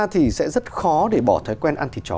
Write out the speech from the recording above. thì sẽ rất khó để bỏ thói quen ăn thịt chó